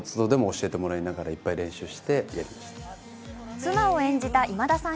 妻を演じた今田さん